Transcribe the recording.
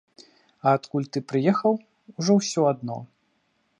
А адкуль ты прыехаў, ужо ўсё адно.